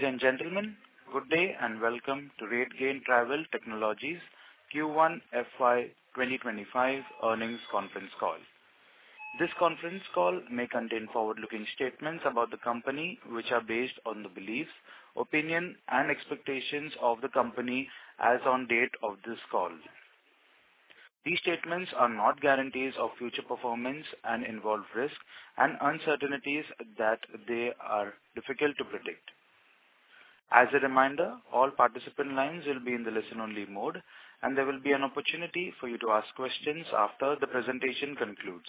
Ladies and gentlemen, good day, and welcome to RateGain Travel Technologies Q1 FY 2025 earnings conference call. This conference call may contain forward-looking statements about the company, which are based on the beliefs, opinion, and expectations of the company as on date of this call. These statements are not guarantees of future performance and involve risks and uncertainties that they are difficult to predict. As a reminder, all participant lines will be in the listen-only mode, and there will be an opportunity for you to ask questions after the presentation concludes.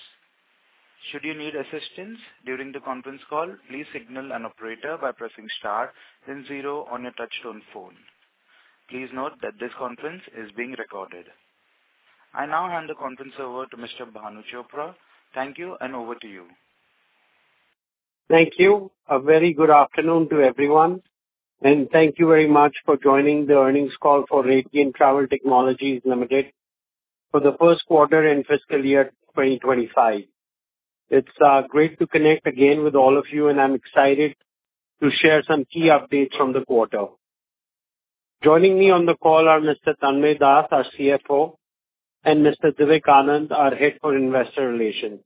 Should you need assistance during the conference call, please signal an operator by pressing star then zero on your touchtone phone. Please note that this conference is being recorded. I now hand the conference over to Mr. Bhanu Chopra. Thank you, and over to you. Thank you. A very good afternoon to everyone, and thank you very much for joining the earnings call for RateGain Travel Technologies Limited for the first quarter and fiscal year 2025. It's great to connect again with all of you, and I'm excited to share some key updates from the quarter. Joining me on the call are Mr. Tanmaya Das, our CFO, and Mr. Divik Anand, our head for Investor Relations.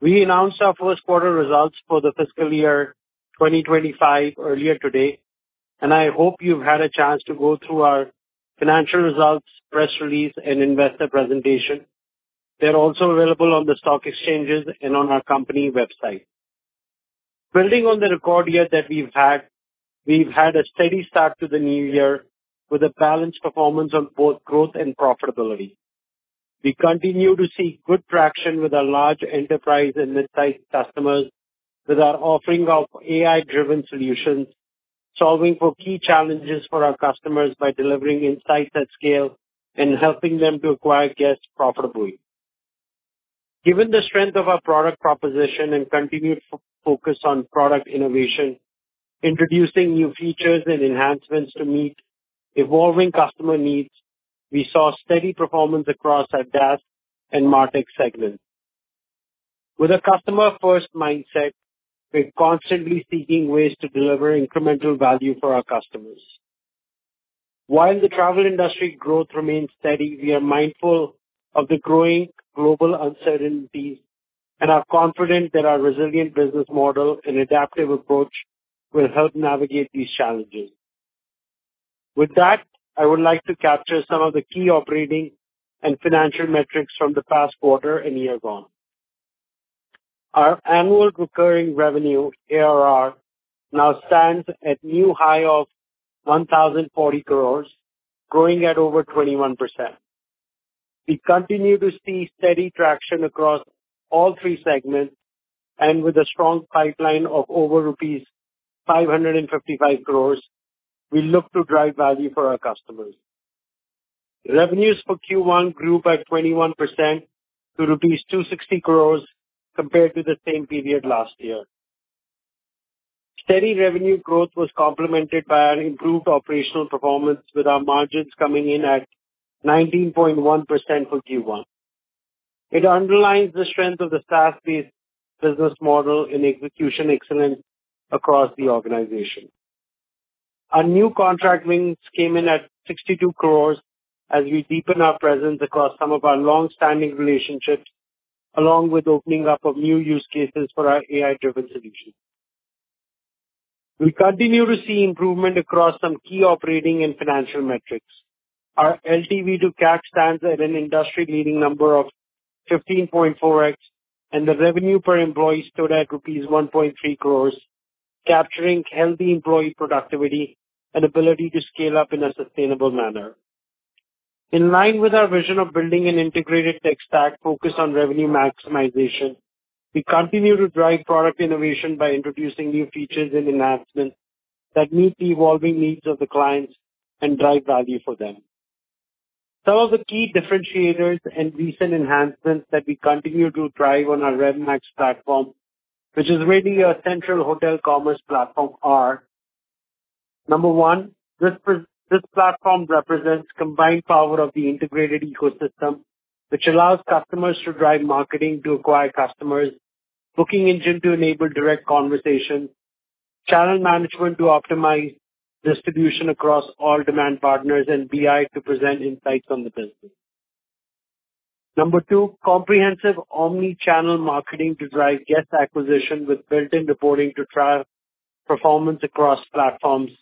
We announced our first quarter results for the fiscal year 2025 earlier today, and I hope you've had a chance to go through our financial results, press release, and investor presentation. They're also available on the stock exchanges and on our company website. Building on the record year that we've had, we've had a steady start to the new year with a balanced performance on both growth and profitability. We continue to see good traction with our large enterprise and mid-size customers with our offering of AI-driven solutions, solving for key challenges for our customers by delivering insights at scale and helping them to acquire guests profitably. Given the strength of our product proposition and continued focus on product innovation, introducing new features and enhancements to meet evolving customer needs, we saw steady performance across our DaaS and MarTech segment. With a customer-first mindset, we're constantly seeking ways to deliver incremental value for our customers. While the travel industry growth remains steady, we are mindful of the growing global uncertainty and are confident that our resilient business model and adaptive approach will help navigate these challenges. With that, I would like to capture some of the key operating and financial metrics from the past quarter and year gone. Our annual recurring revenue, ARR, now stands at a new high of 1,040 crores, growing at over 21%. We continue to see steady traction across all three segments, and with a strong pipeline of over rupees 555 crores, we look to drive value for our customers. Revenues for Q1 grew by 21% to rupees 260 crores compared to the same period last year. Steady revenue growth was complemented by an improved operational performance, with our margins coming in at 19.1% for Q1. It underlines the strength of the SaaS-based business model and execution excellence across the organization. Our new contract wins came in at 62 crores as we deepen our presence across some of our long-standing relationships, along with opening up of new use cases for our AI-driven solution. We continue to see improvement across some key operating and financial metrics. Our LTV to CAC stands at an industry-leading number of 15.4x, and the revenue per employee stood at rupees 1.3 crore, capturing healthy employee productivity and ability to scale up in a sustainable manner. In line with our vision of building an integrated tech stack focused on revenue maximization, we continue to drive product innovation by introducing new features and enhancements that meet the evolving needs of the clients and drive value for them. Some of the key differentiators and recent enhancements that we continue to drive on our RevMax platform, which is really a central hotel commerce platform, are: number one, this platform represents combined power of the integrated ecosystem, which allows customers to drive marketing to acquire customers, booking engine to enable direct conversion, channel management to optimize distribution across all demand partners, and BI to present insights on the business. Number two, comprehensive omni-channel marketing to drive guest acquisition with built-in reporting to track performance across platforms,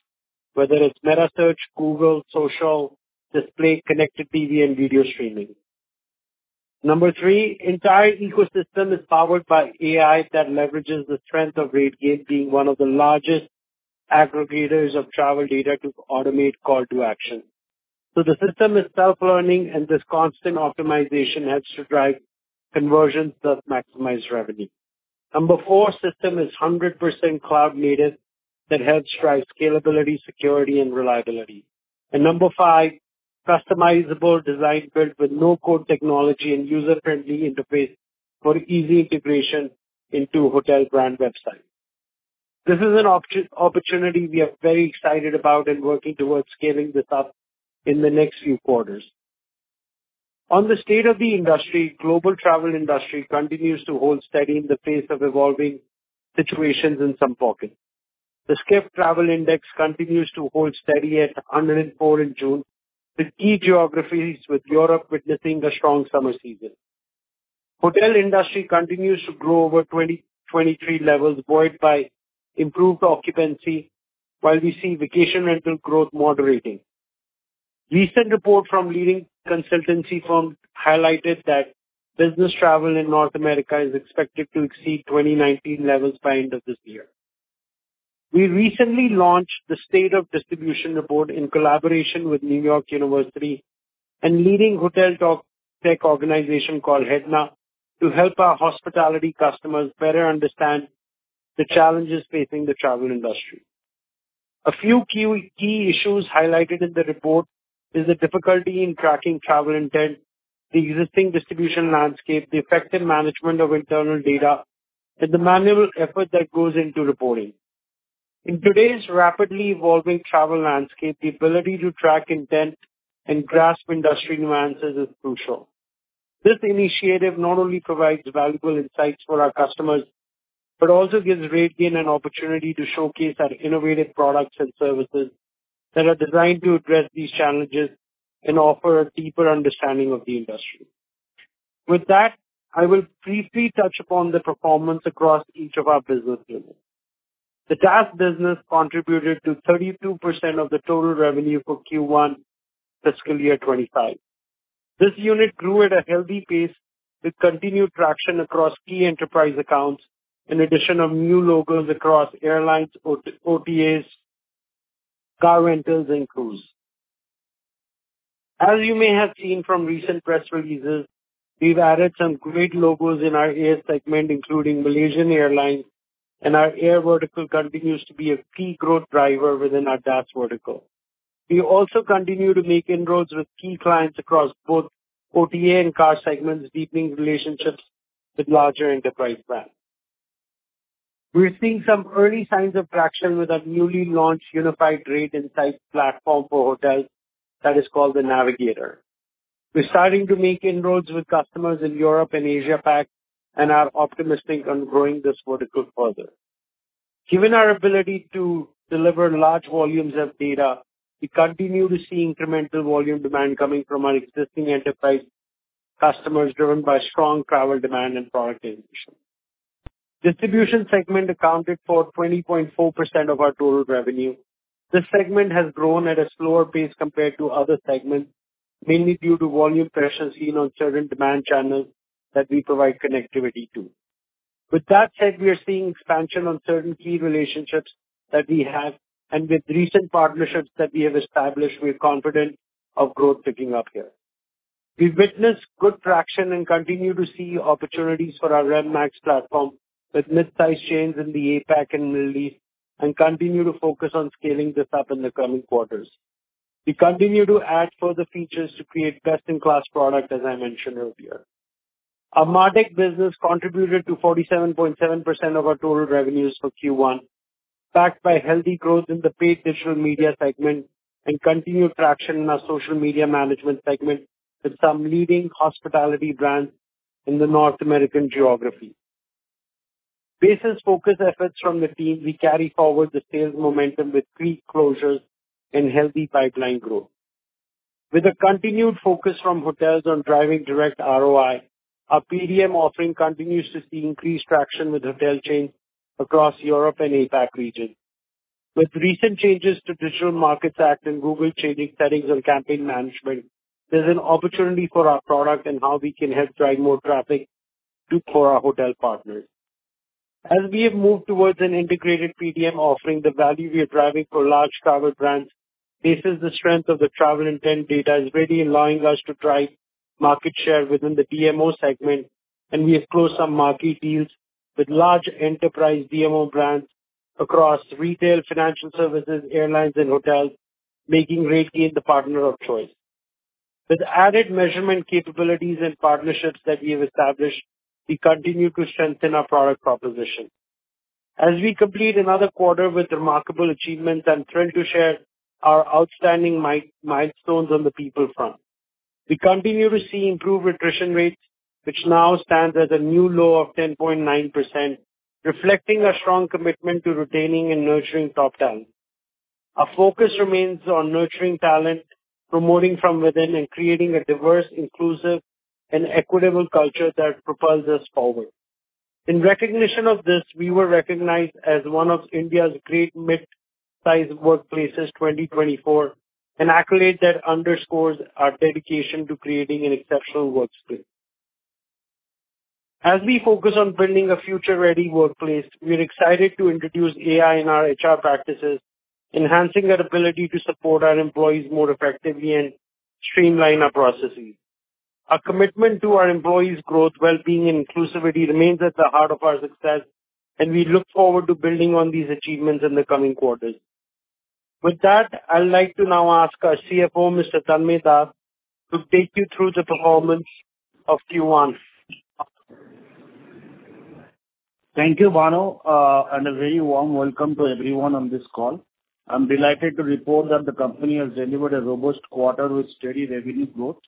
whether it's Metasearch, Google, social, display, connected TV and video streaming. Number three, entire ecosystem is powered by AI that leverages the strength of RateGain being one of the largest aggregators of travel data to automate call to action. So the system is self-learning, and this constant optimization helps to drive conversions, thus maximize revenue. Number 4, system is 100% cloud-native. That helps drive scalability, security, and reliability. And number 5, customizable design built with no-code technology and user-friendly interface for easy integration into hotel brand website. This is an opportunity we are very excited about and working towards scaling this up in the next few quarters.... On the state of the industry, global travel industry continues to hold steady in the face of evolving situations in some pockets. The Skift Travel Index continues to hold steady at 104 in June, with key geographies, with Europe witnessing a strong summer season. Hotel industry continues to grow over 2023 levels, buoyed by improved occupancy, while we see vacation rental growth moderating. Recent report from leading consultancy firm highlighted that business travel in North America is expected to exceed 2019 levels by end of this year. We recently launched the State of Distribution report in collaboration with New York University and leading hotel tech organization called HEDNA, to help our hospitality customers better understand the challenges facing the travel industry. A few key issues highlighted in the report is the difficulty in tracking travel intent, the existing distribution landscape, the effective management of internal data, and the manual effort that goes into reporting. In today's rapidly evolving travel landscape, the ability to track intent and grasp industry nuances is crucial. This initiative not only provides valuable insights for our customers, but also gives RateGain an opportunity to showcase our innovative products and services that are designed to address these challenges and offer a deeper understanding of the industry. With that, I will briefly touch upon the performance across each of our business units. The DaaS business contributed to 32% of the total revenue for Q1 fiscal year 2025. This unit grew at a healthy pace, with continued traction across key enterprise accounts and addition of new logos across airlines, OTAs, car rentals, and cruise. As you may have seen from recent press releases, we've added some great logos in our air segment, including Malaysia Airlines, and our air vertical continues to be a key growth driver within our DaaS vertical. We also continue to make inroads with key clients across both OTA and car segments, deepening relationships with larger enterprise brands. We're seeing some early signs of traction with our newly launched unified rate insight platform for hotels, that is called the Navigator. We're starting to make inroads with customers in Europe and Asia-Pac, and are optimistic on growing this vertical further. Given our ability to deliver large volumes of data, we continue to see incremental volume demand coming from our existing enterprise customers, driven by strong travel demand and product innovation. Distribution segment accounted for 20.4% of our total revenue. This segment has grown at a slower pace compared to other segments, mainly due to volume pressures seen on certain demand channels that we provide connectivity to. With that said, we are seeing expansion on certain key relationships that we have, and with recent partnerships that we have established, we are confident of growth picking up here. We've witnessed good traction and continue to see opportunities for our RevMax platform with mid-sized chains in the APAC and Middle East, and continue to focus on scaling this up in the coming quarters. We continue to add further features to create best-in-class product, as I mentioned earlier. Our MarTech business contributed to 47.7 of our total revenues for Q1, backed by healthy growth in the paid digital media segment and continued traction in our social media management segment with some leading hospitality brands in the North America geography. Based on focused efforts from the team, we carry forward the sales momentum with three closures and healthy pipeline growth. With a continued focus from hotels on driving direct ROI, our PDM offering continues to see increased traction with hotel chains across Europe and APAC region. With recent changes to Digital Markets Act and Google changing settings on campaign management, there's an opportunity for our product and how we can help drive more traffic to... for our hotel partners. As we have moved towards an integrated PDM offering, the value we are driving for large travel brands bases the strength of the travel intent data is really allowing us to drive market share within the DMO segment, and we have closed some marquee deals with large enterprise DMO brands across retail, financial services, airlines, and hotels, making RateGain the partner of choice. With added measurement capabilities and partnerships that we have established, we continue to strengthen our product proposition. As we complete another quarter with remarkable achievements, I'm thrilled to share our outstanding milestones on the people front. We continue to see improved attrition rates, which now stands at a new low of 10.9%, reflecting a strong commitment to retaining and nurturing top talent. Our focus remains on nurturing talent, promoting from within, and creating a diverse, inclusive, and equitable culture that propels us forward. In recognition of this, we were recognized as one of India's Great Mid-Sized Workplaces, 2024, an accolade that underscores our dedication to creating an exceptional workspace. As we focus on building a future-ready workplace, we're excited to introduce AI in our HR practices, enhancing our ability to support our employees more effectively and streamline our processes. Our commitment to our employees' growth, well-being, and inclusivity remains at the heart of our success, and we look forward to building on these achievements in the coming quarters. With that, I'd like to now ask our CFO, Mr. Tanmay Das, to take you through the performance of Q1. ...Thank you, Bhanu, and a very warm welcome to everyone on this call. I'm delighted to report that the company has delivered a robust quarter with steady revenue growth,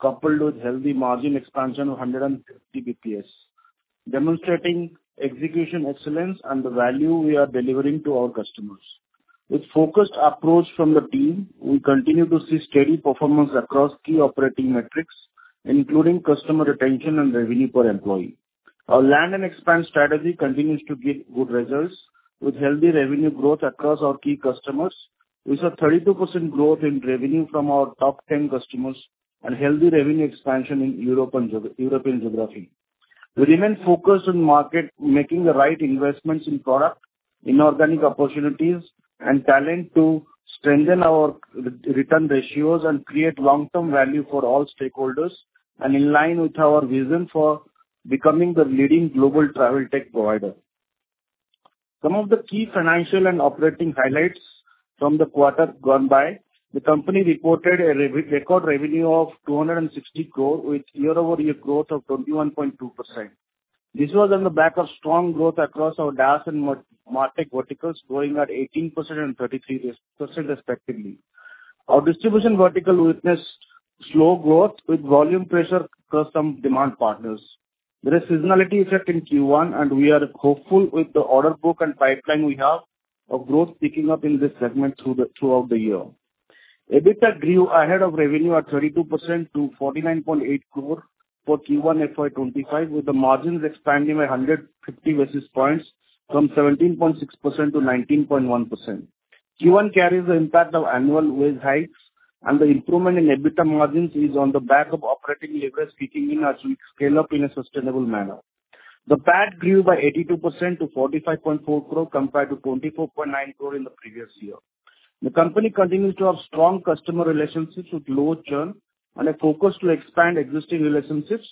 coupled with healthy margin expansion of 150 basis points, demonstrating execution excellence and the value we are delivering to our customers. With focused approach from the team, we continue to see steady performance across key operating metrics, including customer retention and revenue per employee. Our land and expand strategy continues to give good results, with healthy revenue growth across our key customers. We saw 32% growth in revenue from our top 10 customers and healthy revenue expansion in Europe and European geography. We remain focused on market, making the right investments in product, inorganic opportunities, and talent to strengthen our return ratios and create long-term value for all stakeholders, and in line with our vision for becoming the leading global travel tech provider. Some of the key financial and operating highlights from the quarter gone by, the company reported a record revenue of 260 crore, with year-over-year growth of 21.2%. This was on the back of strong growth across our DaaS and MarTech verticals, growing at 18% and 33% respectively. Our distribution vertical witnessed slow growth, with volume pressure across some demand partners. There is seasonality effect in Q1, and we are hopeful with the order book and pipeline we have of growth picking up in this segment throughout the year. EBITDA grew ahead of revenue at 32% to 49.8 crore for Q1 FY25, with the margins expanding by 150 basis points from 17.6%-19.1%. Q1 carries the impact of annual wage hikes, and the improvement in EBITDA margins is on the back of operating leverage kicking in as we scale up in a sustainable manner. The PAT grew by 82% to 45.4 crore, compared to 24.9 crore in the previous year. The company continues to have strong customer relationships with low churn and a focus to expand existing relationships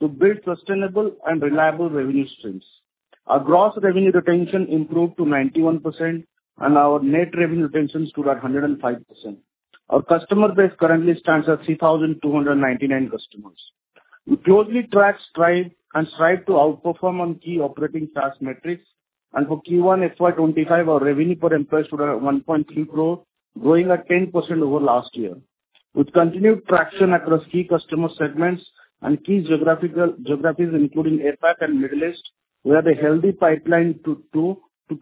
to build sustainable and reliable revenue streams. Our gross revenue retention improved to 91%, and our net revenue retention stood at 105%. Our customer base currently stands at 3,299 customers. We closely track, strive, and strive to outperform on key operating task metrics. For Q1 FY 2025, our revenue per employee stood at 1.3 crore, growing at 10% over last year. With continued traction across key customer segments and key geographical geographies, including APAC and Middle East, we have a healthy pipeline to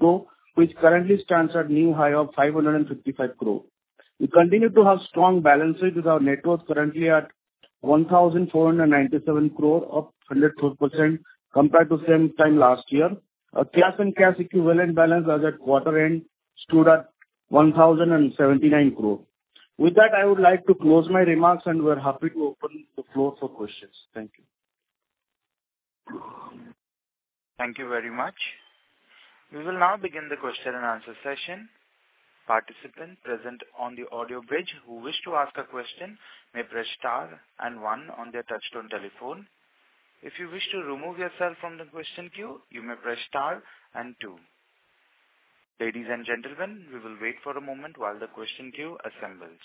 go, which currently stands at new high of 555 crore. We continue to have strong balances, with our net worth currently at 1,497 crore, up 100% compared to same time last year. Our cash and cash equivalent balance as at quarter end stood at 1,079 crore. With that, I would like to close my remarks, and we're happy to open the floor for questions. Thank you. Thank you very much. We will now begin the question and answer session. Participants present on the audio bridge who wish to ask a question may press star and one on their touchtone telephone. If you wish to remove yourself from the question queue, you may press star and two. Ladies and gentlemen, we will wait for a moment while the question queue assembles.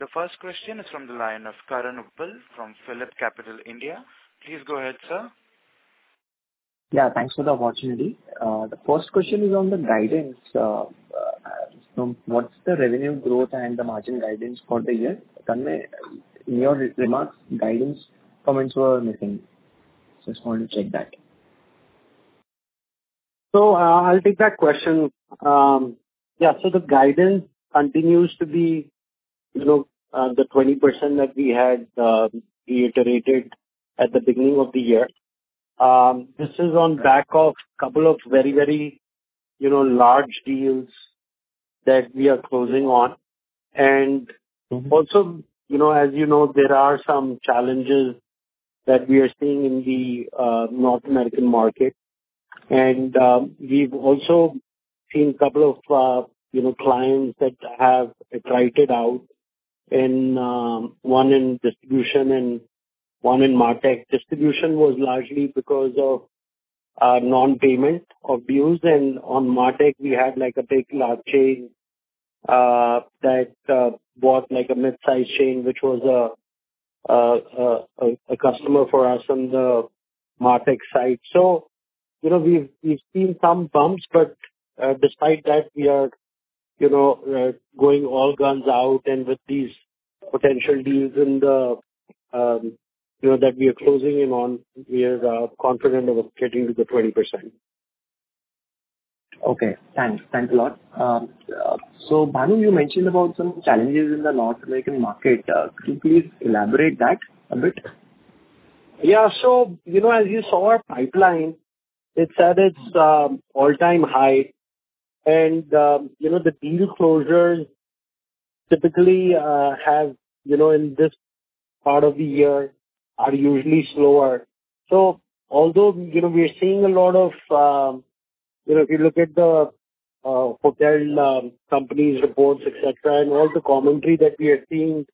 The first question is from the line of Karan Uppal from PhillipCapital India. Please go ahead, sir. Yeah, thanks for the opportunity. The first question is on the guidance. So what's the revenue growth and the margin guidance for the year? Tanmay, in your remarks, guidance comments were missing. Just want to check that. So, I'll take that question. Yeah, so the guidance continues to be, you know, the 20% that we had, reiterated at the beginning of the year. This is on back of couple of very, very, you know, large deals that we are closing on. And also, you know, as you know, there are some challenges that we are seeing in the, North American market. And, we've also seen a couple of, you know, clients that have attrited out in, one in distribution and one in MarTech. Distribution was largely because of, non-payment of deals, and on MarTech, we had, like, a very large chain, that, bought like a mid-sized chain, which was a customer for us on the MarTech side. So, you know, we've, we've seen some bumps, but, despite that, we are, you know, going all guns out and with these potential deals in the, you know, that we are closing in on, we are, confident about getting to the 20%. Okay. Thanks. Thanks a lot. So, Bhanu, you mentioned about some challenges in the North American market. Could you please elaborate that a bit? Yeah. So, you know, as you saw our pipeline, it's at its all-time high. And, you know, the deal closures typically have, you know, in this part of the year, are usually slower. So although, you know, we are seeing a lot of... You know, if you look at the hotel companies reports, et cetera, and all the commentary that we are seeing,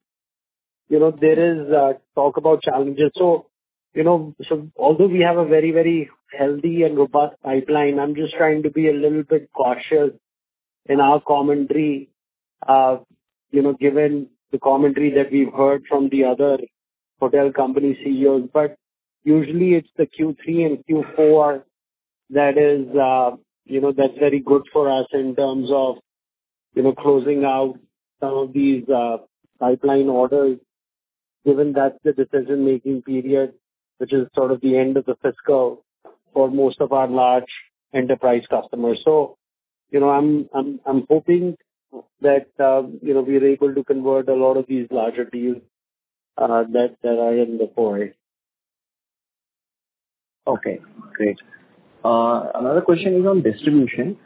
you know, there is talk about challenges. So, you know, so although we have a very, very healthy and robust pipeline, I'm just trying to be a little bit cautious-... in our commentary, you know, given the commentary that we've heard from the other hotel company CEOs. But usually it's the Q3 and Q4 that is, you know, that's very good for us in terms of, you know, closing out some of these, pipeline orders, given that the decision-making period, which is sort of the end of the fiscal for most of our large enterprise customers. So, you know, I'm hoping that, you know, we're able to convert a lot of these larger deals, that are in the pipe. Okay, great. Another question is on distribution.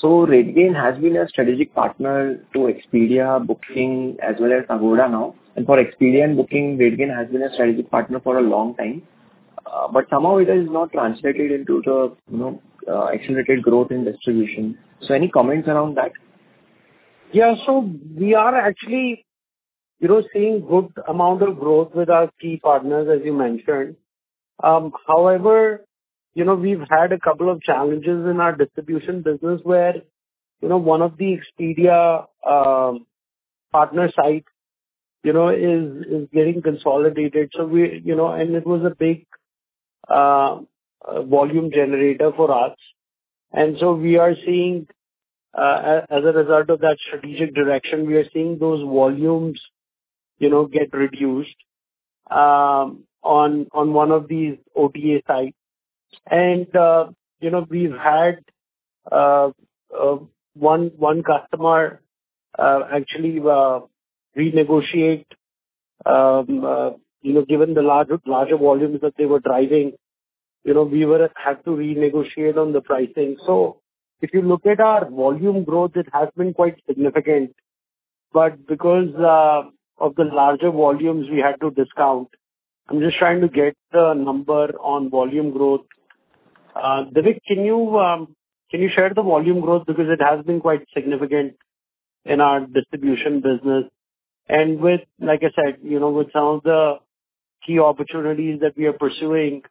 So RateGain has been a strategic partner to Expedia, Booking, as well as Agoda now. And for Expedia and Booking, RateGain has been a strategic partner for a long time. But somehow it has not translated into the, you know, accelerated growth in distribution. So any comments around that? Yeah. So we are actually, you know, seeing good amount of growth with our key partners, as you mentioned. However, you know, we've had a couple of challenges in our distribution business where, you know, one of the Expedia partner sites, you know, is getting consolidated. You know, and it was a big volume generator for us. And so we are seeing, as a result of that strategic direction, we are seeing those volumes, you know, get reduced on one of these OTA sites. And, you know, we've had one customer actually renegotiate, you know, given the larger volumes that they were driving, you know, we had to renegotiate on the pricing. So if you look at our volume growth, it has been quite significant. Because of the larger volumes, we had to discount. I'm just trying to get the number on volume growth. Divik, can you share the volume growth? Because it has been quite significant in our distribution business. With, like I said, you know, with some of the key opportunities that we are pursuing,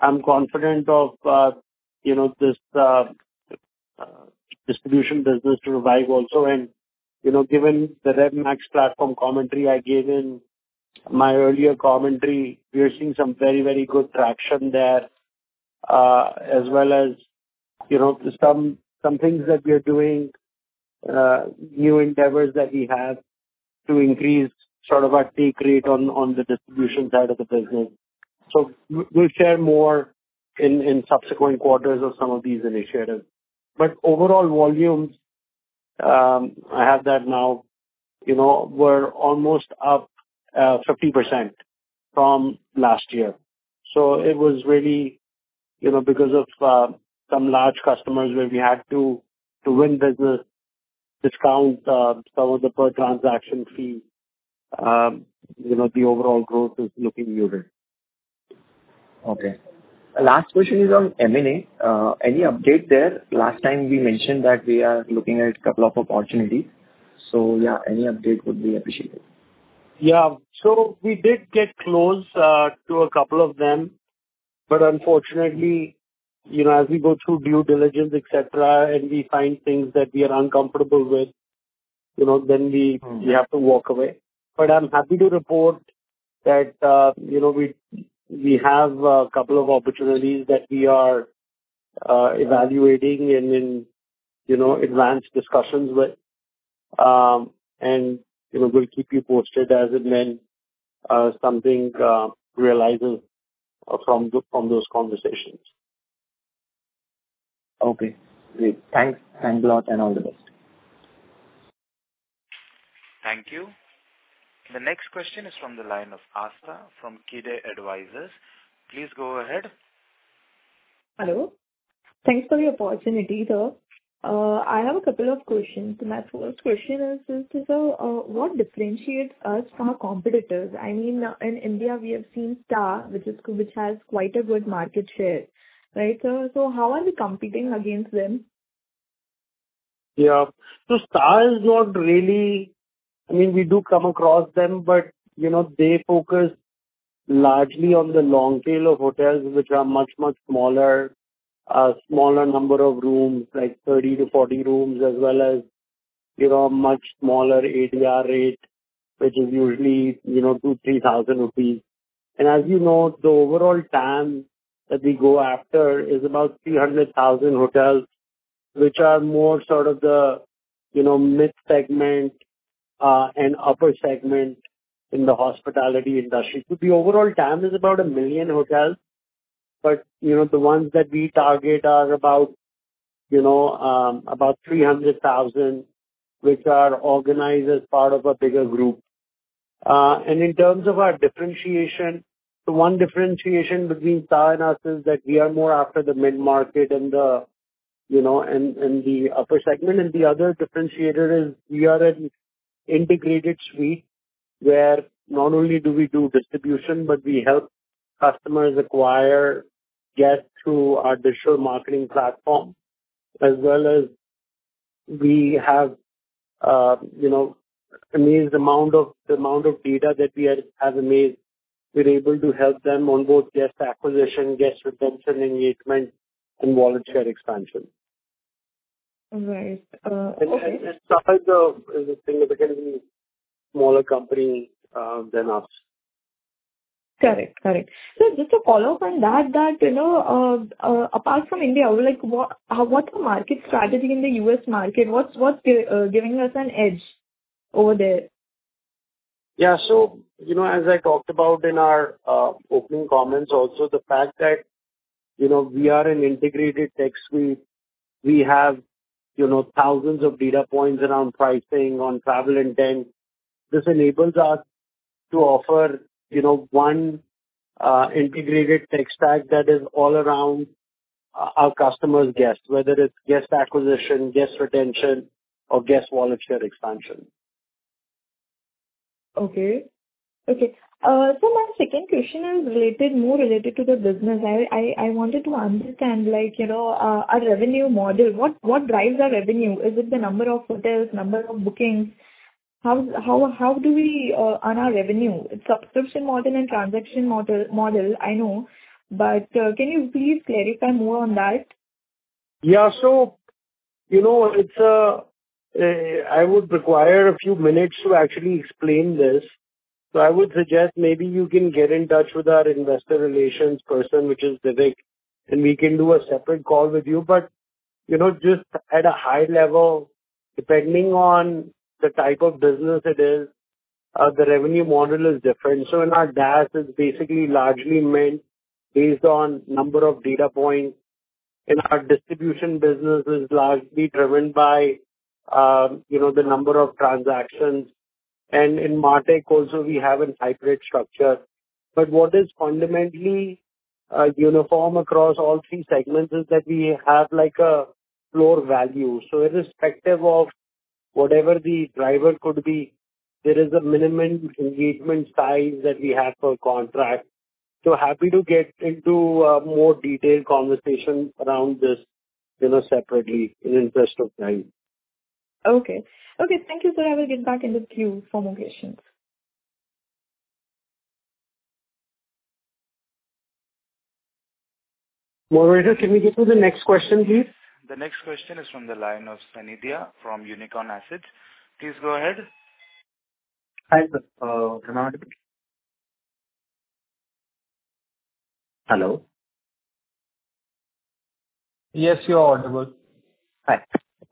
I'm confident of, you know, this distribution business to revive also. And, you know, given the RevMax platform commentary I gave in my earlier commentary, we are seeing some very, very good traction there, as well as, you know, some things that we are doing, new endeavors that we have to increase sort of our take rate on, on the distribution side of the business. So we'll share more in subsequent quarters of some of these initiatives. But overall volumes, I have that now, you know, were almost up 50% from last year. So it was really, you know, because of some large customers where we had to win business, discount some of the per transaction fee. You know, the overall growth is looking good. Okay. Last question is on M&A. Any update there? Last time we mentioned that we are looking at a couple of opportunities. So, yeah, any update would be appreciated. Yeah. So we did get close to a couple of them. But unfortunately, you know, as we go through due diligence, et cetera, and we find things that we are uncomfortable with, you know, then we- Mm-hmm. We have to walk away. But I'm happy to report that, you know, we have a couple of opportunities that we are evaluating and in, you know, advanced discussions with. And, you know, we'll keep you posted as and when something realizes from those conversations. Okay, great. Thanks. Thanks a lot, and all the best. Thank you. The next question is from the line of Aastha from Kidder Advisors. Please go ahead. Hello. Thanks for the opportunity, sir. I have a couple of questions. My first question is, sir, what differentiates us from our competitors? I mean, in India, we have seen STAAH, which has quite a good market share, right, sir? So how are we competing against them? Yeah. So Star is not really... I mean, we do come across them, but, you know, they focus largely on the long tail of hotels, which are much, much smaller, a smaller number of rooms, like 30-40 rooms, as well as, you know, much smaller ADR rate, which is usually, you know, 2,000-3,000 rupees. And as you know, the overall TAM that we go after is about 300,000 hotels, which are more sort of the, you know, mid-segment and upper segment in the hospitality industry. So the overall TAM is about 1 million hotels, but, you know, the ones that we target are about, you know, about 300,000, which are organized as part of a bigger group. And in terms of our differentiation, the one differentiation between STAAH and us is that we are more after the mid-market and the, you know, and the upper segment. And the other differentiator is we are an integrated suite, where not only do we do distribution, but we help customers acquire guests through our digital marketing platform, as well as we have, you know, immense amount of data that we have made. We're able to help them on both guest acquisition, guest retention, engagement, and wallet share expansion. Right. Okay. The size of is a significantly smaller company than us. Correct. Correct. So just to follow up on that, you know, apart from India, like, what's the market strategy in the U.S. market? What's giving us an edge over there? Yeah. So, you know, as I talked about in our opening comments, also the fact that, you know, we are an integrated tech suite. We have, you know, thousands of data points around pricing, on travel intent. This enables us to offer, you know, one integrated tech stack that is all around our customers' guests, whether it's guest acquisition, guest retention, or guest wallet share expansion. Okay. Okay. So my second question is related, more related to the business. I wanted to understand, like, you know, our revenue model. What drives our revenue? Is it the number of hotels, number of bookings? How do we earn our revenue? It's subscription model and transaction model, I know, but can you please clarify more on that? Yeah. So, you know, it's, I would require a few minutes to actually explain this, but I would suggest maybe you can get in touch with our investor relations person, which is Divik, and we can do a separate call with you. But, you know, just at a high level, depending on the type of business it is, the revenue model is different. So in our DaaS, it's basically largely meant based on number of data points, and our distribution business is largely driven by, you know, the number of transactions. And in MarTech also we have a hybrid structure. But what is fundamentally, uniform across all three segments is that we have, like, a lower value. So irrespective of whatever the driver could be, there is a minimum engagement size that we have per contract. So happy to get into more detailed conversation around this, you know, separately in the interest of time. Okay. Okay, thank you, sir. I will get back in the queue for more questions. Moderator, can we get to the next question, please? The next question is from the line of Sanidhya from Unicorn Asset Management. Please go ahead. Hi, sir. Hello? Yes, you are audible. Hi.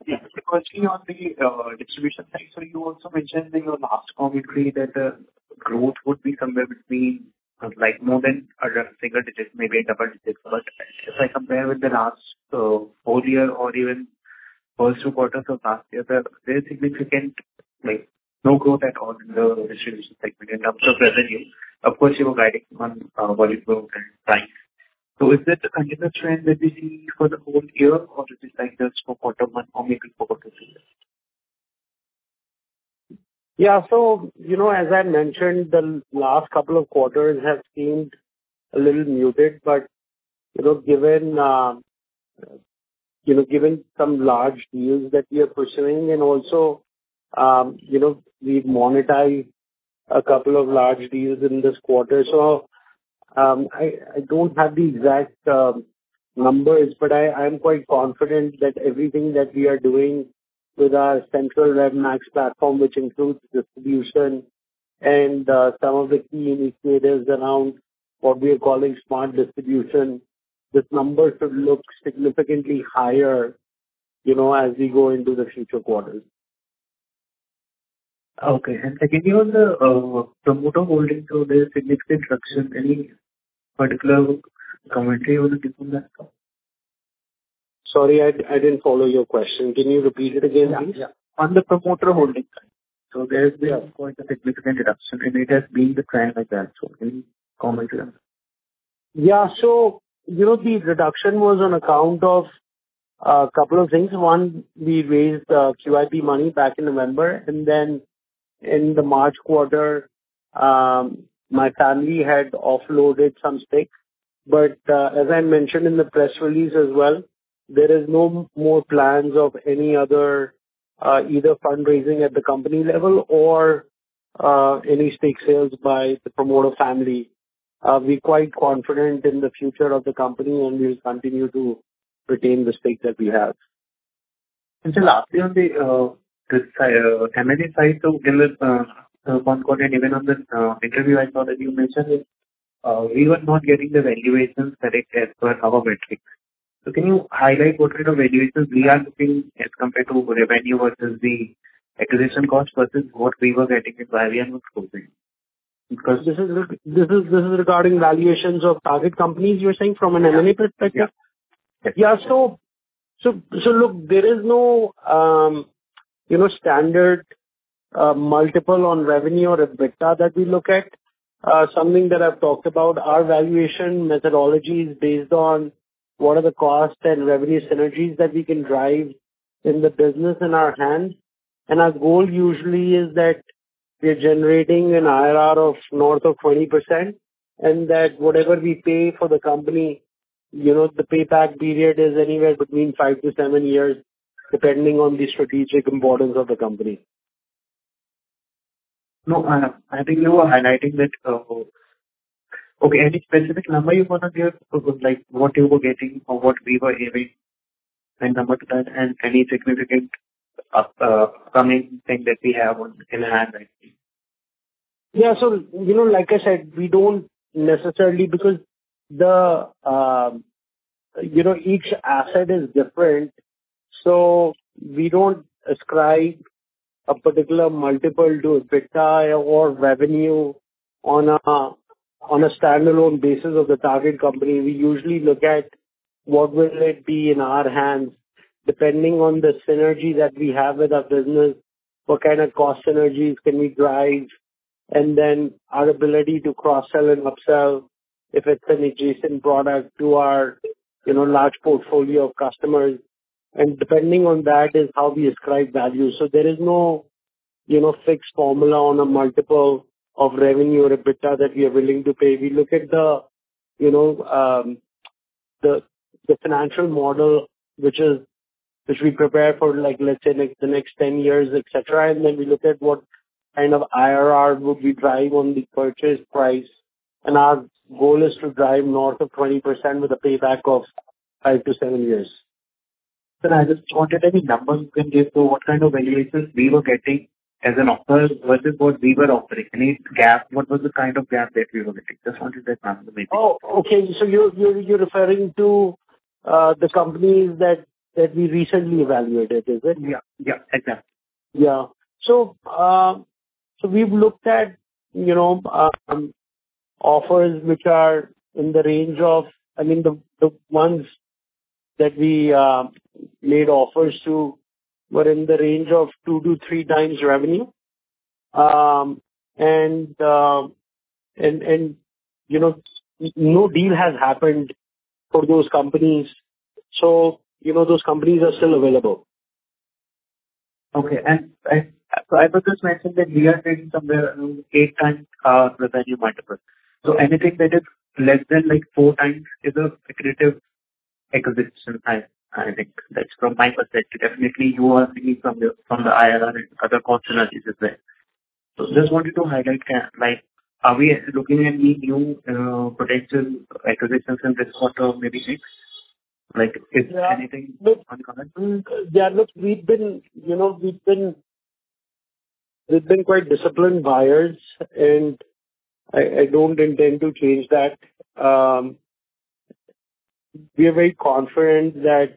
Yes, questioning on the, distribution side. So you also mentioned in your last commentary that the growth would be somewhere between, like more than a single digit, maybe a double digit. But as I compare with the last, whole year or even first quarter of last year, there are very significant, like, no growth at all in the distribution segment in terms of revenue. Of course, you were guiding on, volume growth and price. So is that a continuous trend that we see for the whole year, or it is like just for quarter one or maybe quarter two? Yeah. So, you know, as I mentioned, the last couple of quarters have seemed a little muted. But, you know, given, you know, given some large deals that we are pursuing and also, you know, we've monetized a couple of large deals in this quarter. So, I don't have the exact numbers, but I'm quite confident that everything that we are doing with our central RevMax platform, which includes distribution and some of the key initiatives around what we are calling Smart Distribution, this number should look significantly higher, you know, as we go into the future quarters. Okay. Second, you know, the promoter holding, so there's significant reduction. Any particular commentary you want to give on that? Sorry, I didn't follow your question. Can you repeat it again? Yeah. Yeah. On the promoter holding. So there's been quite a significant reduction, and it has been the trend like that. So any comment on that? Yeah. So, you know, the reduction was on account of a couple of things. One, we raised QIP money back in November, and then in the March quarter, my family had offloaded some stakes. But, as I mentioned in the press release as well, there is no more plans of any other, either fundraising at the company level or, any stake sales by the promoter family. We're quite confident in the future of the company, and we'll continue to retain the stake that we have. And lastly, on the M&A side, so during this one quarter, and even on this interview, I saw that you mentioned that we were not getting the valuations correct as per our metrics. So can you highlight what kind of valuations we are looking as compared to revenue versus the acquisition cost versus what we were getting it, why we are not closing? Because this is regarding valuations of target companies, you're saying, from an M&A perspective? Yeah. Yeah. So look, there is no, you know, standard multiple on revenue or EBITDA that we look at. Something that I've talked about, our valuation methodology is based on what are the cost and revenue synergies that we can drive in the business in our hands. And our goal usually is that we are generating an IRR of north of 20%, and that whatever we pay for the company- you know, the payback period is anywhere between 5-7 years, depending on the strategic importance of the company. No, I think you were highlighting that. Okay, any specific number you want to give, like, what you were getting or what we were giving, any number to that, and any significant coming thing that we have on in hand, I think? Yeah. So, you know, like I said, we don't necessarily because the, you know, each asset is different, so we don't ascribe a particular multiple to EBITDA or revenue on a, on a standalone basis of the target company. We usually look at what will it be in our hands, depending on the synergy that we have with our business, what kind of cost synergies can we drive, and then our ability to cross-sell and upsell if it's an adjacent product to our, you know, large portfolio of customers. And depending on that is how we ascribe value. So there is no, you know, fixed formula on a multiple of revenue or EBITDA that we are willing to pay. We look at the, you know, the financial model, which we prepare for, like, let's say, like, the next 10 years, et cetera, and then we look at what kind of IRR would we drive on the purchase price. Our goal is to drive north of 20% with a payback of 5-7 years. But I just wanted any numbers you can give for what kind of valuations we were getting as an offer versus what we were offering. Any gap, what was the kind of gap that we were getting? Just wanted that clarification. Oh, okay. So you're referring to the companies that we recently evaluated, is it? Yeah. Yeah, exactly. Yeah. So we've looked at, you know, offers which are in the range of... I mean, the ones that we made offers to were in the range of 2-3x revenue. And, you know, no deal has happened for those companies, so, you know, those companies are still available. Okay. And I just mentioned that we are taking somewhere around 8 times the value multiple. So anything that is less than, like, 4x is an accretive acquisition time. I think that's from my perspective. Definitely, you are seeing from the IRR and other cost synergies is there. So just wanted to highlight, like, are we looking at any new potential acquisitions in this quarter, maybe next? Like, if anything on comment. Yeah, look, we've been, you know, quite disciplined buyers, and I don't intend to change that. We are very confident that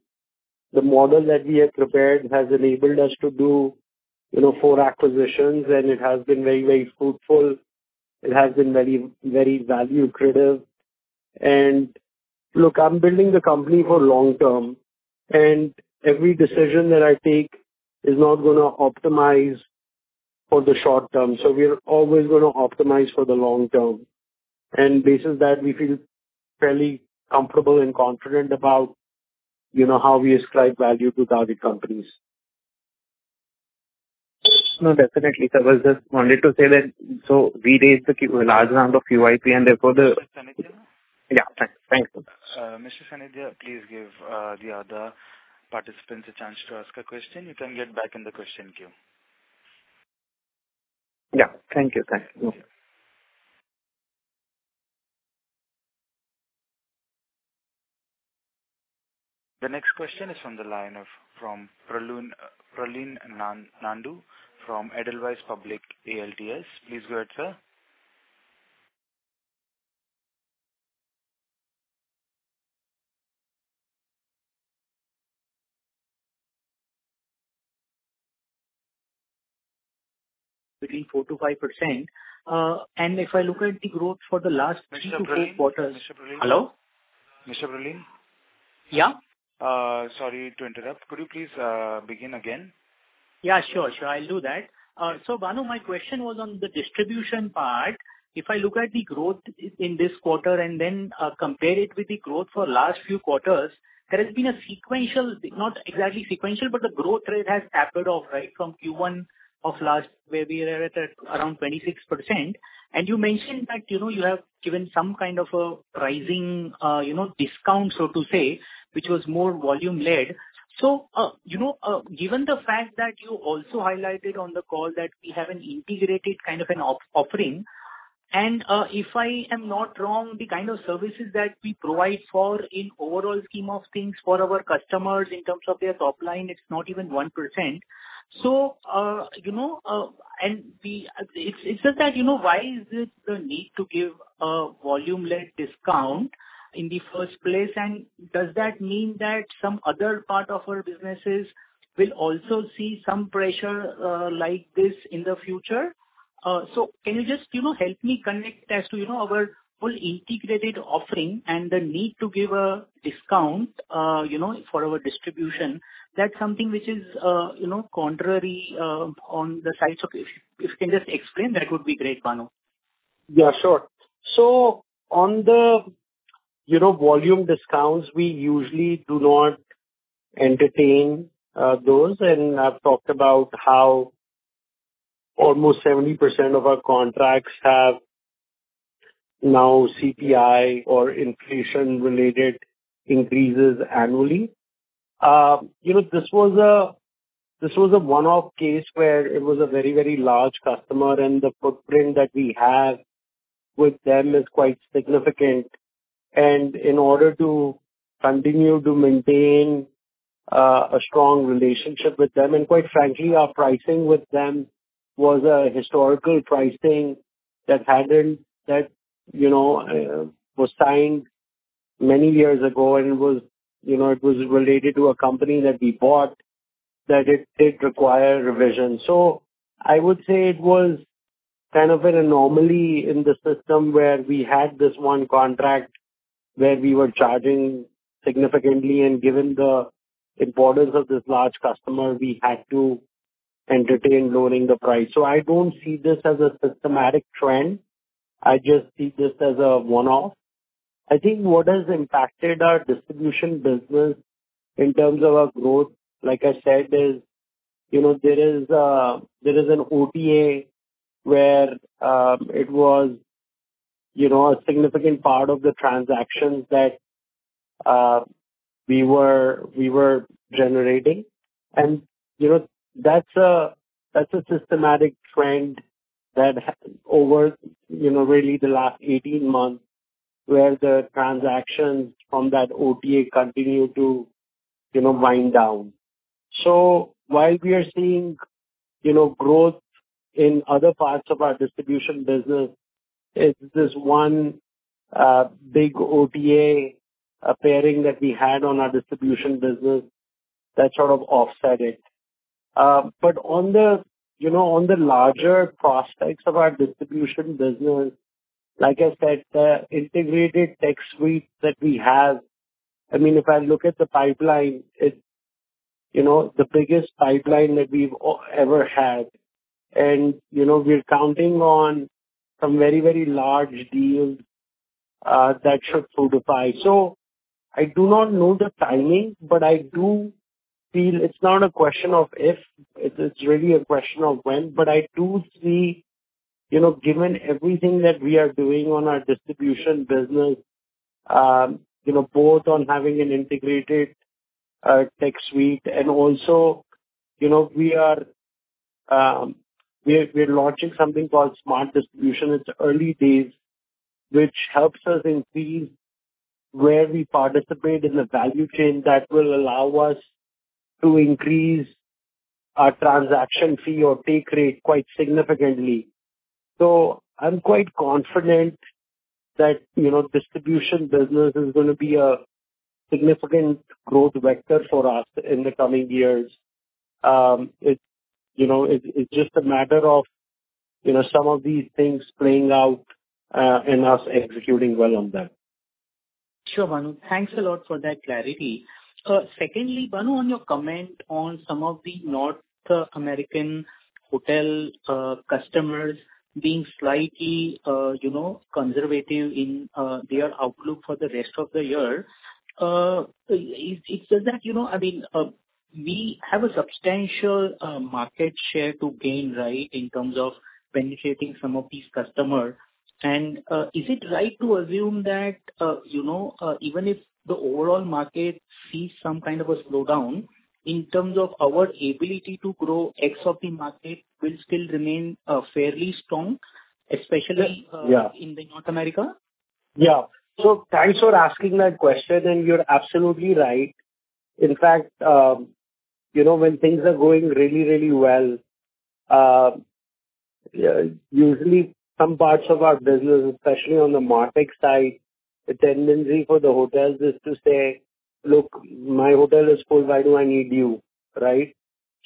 the model that we have prepared has enabled us to do, you know, four acquisitions, and it has been very, very fruitful. It has been very, very value accretive. And look, I'm building the company for long term, and every decision that I take is not gonna optimize for the short term. So we are always gonna optimize for the long term. And basis that, we feel fairly comfortable and confident about, you know, how we ascribe value to target companies. No, definitely, sir. I just wanted to say that, so we raised a large round of QIP, and therefore the- Mr. Sanidhya? Yeah, thanks. Thank you. Mr. Sanidhya, please give the other participants a chance to ask a question. You can get back in the question queue. Yeah. Thank you. Thank you. The next question is from the line of Pratik Nandu from Edelweiss Public Alternative Asset Advisors. Please go ahead, sir. Between 4%-5%. If I look at the growth for the last 3-4 quarters- Mr. Pratik? Hello? Mr. Pratik? Yeah. Sorry to interrupt. Could you please begin again? Yeah, sure, sure. I'll do that. So, Bhanu, my question was on the distribution part. If I look at the growth in this quarter and then compare it with the growth for last few quarters, there has been a sequential, not exactly sequential, but the growth rate has tapered off, right? From Q1 of last, where we were at around 26%. And you mentioned that, you know, you have given some kind of a pricing, you know, discount, so to say, which was more volume-led. So, you know, given the fact that you also highlighted on the call that we have an integrated kind of an offering, and if I am not wrong, the kind of services that we provide for in overall scheme of things for our customers in terms of their top line, it's not even 1%. So, you know, It's just that, you know, why is there the need to give a volume-led discount in the first place? And does that mean that some other part of our businesses will also see some pressure, like this in the future? So can you just, you know, help me connect as to, you know, our full integrated offering and the need to give a discount, you know, for our distribution? That's something which is, you know, contrary, on the sides of it. If you can just explain, that would be great, Bhanu. Yeah, sure. So on the volume discounts, you know, we usually do not entertain those, and I've talked about how almost 70% of our contracts have now CPI or inflation-related increases annually. You know, this was a one-off case where it was a very, very large customer, and the footprint that we have with them is quite significant. And in order to continue to maintain a strong relationship with them, and quite frankly, our pricing with them was a historical pricing that, you know, was signed many years ago. And it was, you know, related to a company that we bought, that it did require revision. So I would say it was kind of an anomaly in the system where we had this one contract where we were charging significantly, and given the importance of this large customer, we had to entertain lowering the price. So I don't see this as a systematic trend. I just see this as a one-off. I think what has impacted our distribution business in terms of our growth, like I said, is, you know, there is an OTA where it was, you know, a significant part of the transactions that we were generating. And, you know, that's a systematic trend that has over, you know, really the last 18 months, where the transactions from that OTA continued to, you know, wind down. So while we are seeing, you know, growth in other parts of our distribution business, it's this one big OTA pairing that we had on our distribution business that sort of offset it. But on the, you know, on the larger prospects of our distribution business, like I said, the integrated tech suite that we have. I mean, if I look at the pipeline, it, you know, the biggest pipeline that we've ever had. And, you know, we're counting on some very, very large deals that should fructify. So I do not know the timing, but I do feel it's not a question of if, it is really a question of when. But I do see, you know, given everything that we are doing on our distribution business, you know, both on having an integrated tech suite and also, you know, we are launching something called Smart Distribution. It's early days, which helps us increase where we participate in the value chain that will allow us to increase our transaction fee or take rate quite significantly. So I'm quite confident that, you know, distribution business is gonna be a significant growth vector for us in the coming years. You know, it's just a matter of, you know, some of these things playing out and us executing well on them. Sure, Bhanu. Thanks a lot for that clarity. Secondly, Bhanu, on your comment on some of the North American hotel customers being slightly, you know, conservative in their outlook for the rest of the year. Is it that, you know, I mean, we have a substantial market share to gain, right, in terms of penetrating some of these customers. And is it right to assume that, you know, even if the overall market sees some kind of a slowdown, in terms of our ability to grow ex of the market will still remain fairly strong, especially- Yeah. in the North America? Yeah. So thanks for asking that question, and you're absolutely right. In fact, you know, when things are going really, really well, usually some parts of our business, especially on the MarTech side, the tendency for the hotels is to say: Look, my hotel is full, why do I need you? Right.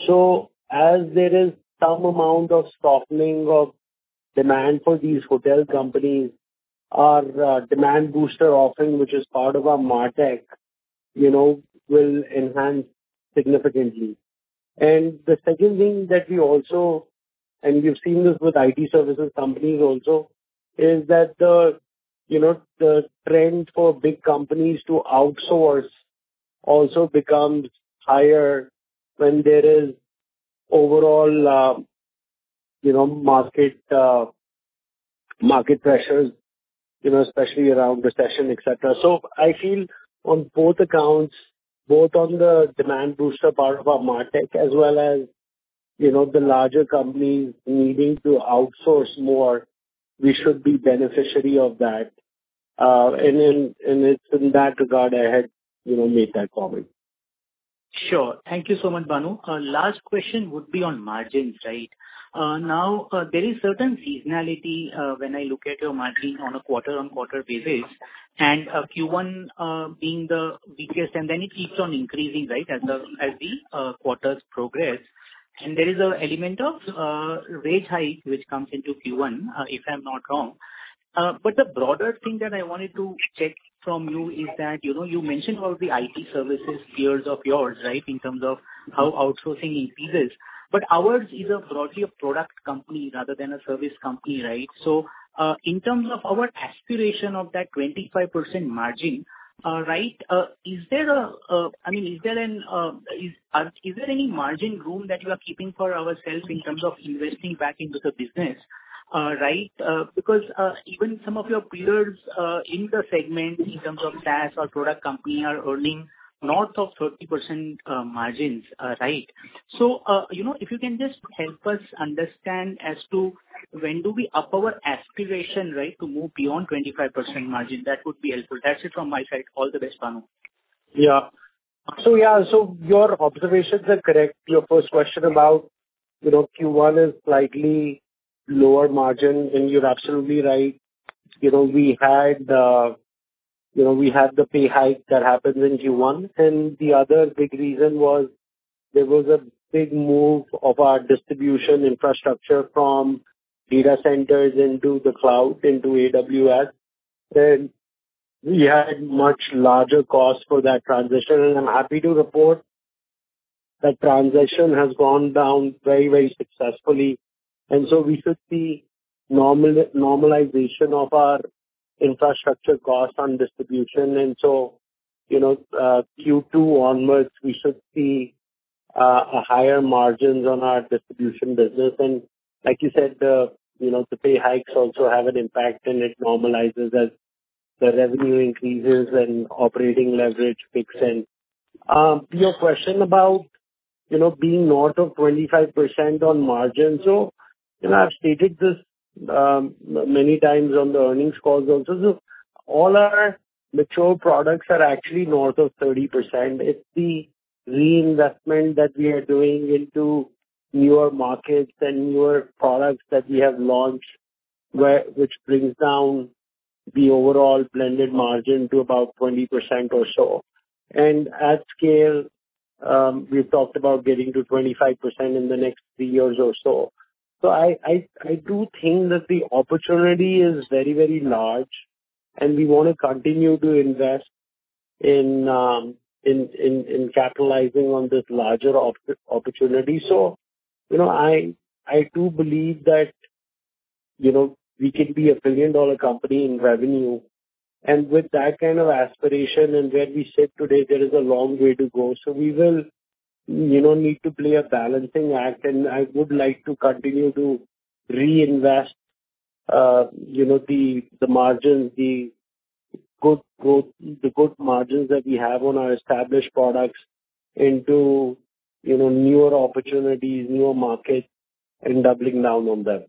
So as there is some amount of softening of demand for these hotel companies, our Demand Booster offering, which is part of our MarTech, you know, will enhance significantly. And the second thing that we also, and we've seen this with IT services companies also, is that the, you know, the trend for big companies to outsource also becomes higher when there is overall, you know, market, market pressures, you know, especially around recession, et cetera. So I feel on both accounts, both on the Demand Booster part of our MarTech as well as, you know, the larger companies needing to outsource more, we should be beneficiary of that. And it's in that regard, I had, you know, made that comment. Sure. Thank you so much, Bhanu. Last question would be on margins, right? Now, there is certain seasonality when I look at your margin on a quarter-over-quarter basis, and Q1 being the weakest, and then it keeps on increasing, right, as the quarters progress. And there is an element of rate hike, which comes into Q1, if I'm not wrong. But the broader thing that I wanted to check from you is that, you know, you mentioned all the IT services peers of yours, right, in terms of how outsourcing increases. But ours is broadly a product company rather than a service company, right? So, in terms of our aspiration of that 25% margin, right, is there a... I mean, is there any margin room that we are keeping for ourselves in terms of investing back into the business? Right, because even some of your peers in the segment, in terms of SaaS or product company, are earning north of 30% margins, right? So, you know, if you can just help us understand as to when do we up our aspiration, right, to move beyond 25% margin? That would be helpful. That's it from my side. All the best, Bhanu. Yeah. So yeah, so your observations are correct. Your first question about, you know, Q1 is slightly lower margin, and you're absolutely right. You know, we had, you know, we had the pay hike that happened in Q1, and the other big reason was there was a big move of our distribution infrastructure from data centers into the cloud, into AWS. Then we had much larger costs for that transition, and I'm happy to report that transition has gone down very, very successfully. And so we should see normalization of our infrastructure costs on distribution, and so, you know, Q2 onwards, we should see, a higher margins on our distribution business. And like you said, you know, the pay hikes also have an impact, and it normalizes as the revenue increases and operating leverage kicks in. Your question about, you know, being north of 25% on margins. So, you know, I've stated this many times on the earnings calls also. So all our mature products are actually north of 30%. It's the reinvestment that we are doing into newer markets and newer products that we have launched, which brings down the overall blended margin to about 20% or so. And at scale, we've talked about getting to 25% in the next three years or so. So I do think that the opportunity is very, very large, and we want to continue to invest in capitalizing on this larger opportunity. So, you know, I do believe that, you know, we can be a billion-dollar company in revenue. With that kind of aspiration and where we sit today, there is a long way to go. We will, you know, need to play a balancing act, and I would like to continue to reinvest, you know, the margins, the good growth, the good margins that we have on our established products into, you know, newer opportunities, newer markets, and doubling down on them.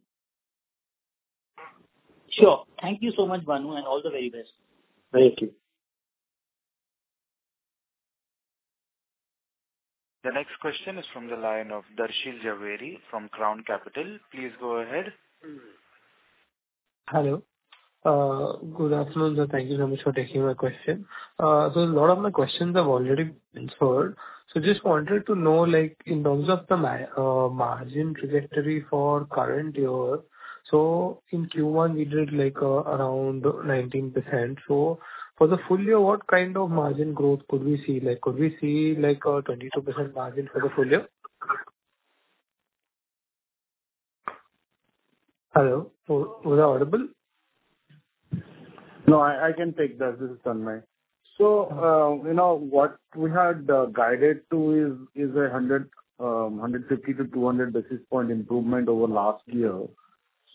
Sure. Thank you so much, Bhanu, and all the very best. Thank you. The next question is from the line of Darshi Zaveri from Crown Capital. Please go ahead. Hello. Good afternoon, sir. Thank you so much for taking my question. So a lot of my questions have already been answered. So just wanted to know, like in terms of the margin trajectory for current year, so in Q1, we did, like, around 19%. So for the full year, what kind of margin growth could we see? Like, could we see, like, a 22% margin for the full year? Hello, was I audible? No, I can take that. This is Tanmay. So, you know, what we had guided to is 150-200 basis point improvement over last year.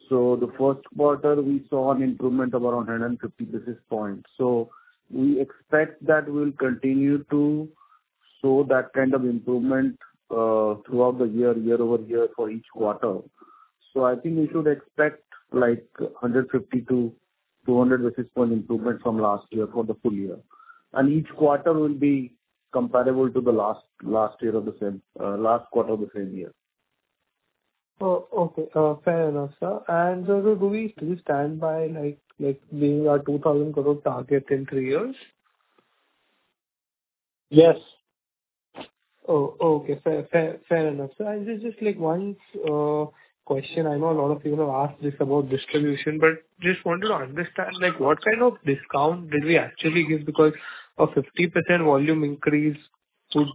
So the first quarter, we saw an improvement of around 150 basis points. So we expect that we'll continue to show that kind of improvement throughout the year, year-over-year for each quarter. So I think we should expect, like, 150-200 basis point improvement from last year for the full year, and each quarter will be comparable to the last year of the same last quarter of the same year. Oh, okay. Fair enough, sir. And so do we stand by, like, getting our 2,000 crore target in three years? Yes. Oh, okay, fair, fair, fair enough. So I just, just, like, one question. I know a lot of people have asked this about distribution, but just wanted to understand, like, what kind of discount did we actually give? Because a 50% volume increase would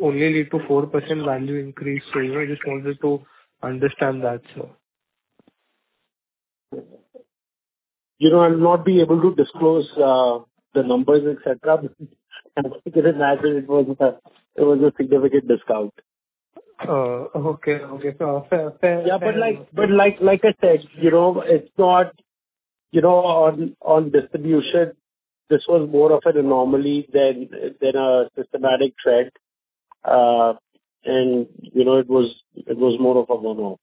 only lead to 4% value increase. So I just wanted to understand that, sir. You know, I'll not be able to disclose the numbers, et cetera. But imagine it was a significant discount. Oh, okay. Okay, so fair. Yeah, but like I said, you know, it's not... You know, on distribution, this was more of an anomaly than a systematic trend. And, you know, it was more of a one-off.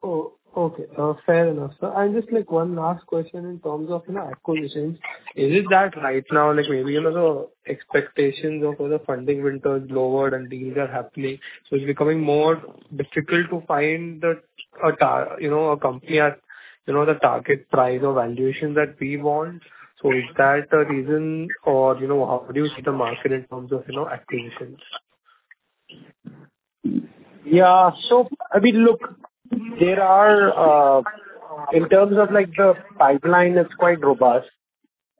Oh, okay. Fair enough, sir. Just, like, one last question in terms of, you know, acquisitions. Is it that right now, like, maybe, you know, the expectations of the funding winters lowered and deals are happening, so it's becoming more difficult to find a target company at, you know, the target price or valuation that we want? So is that the reason or, you know, how do you see the market in terms of, you know, acquisitions? Yeah. So, I mean, look, there are. In terms of, like, the pipeline, it's quite robust,